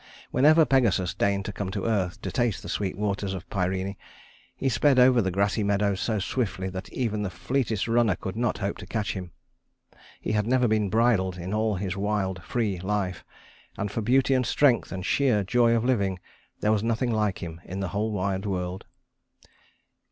Whenever Pegasus deigned to come to earth to taste the sweet waters of Pirene he sped over the grassy meadows so swiftly that even the fleetest runner could not hope to catch him. He had never been bridled in all his wild, free life, and for beauty and strength and sheer joy of living there was nothing like him in the whole wide world.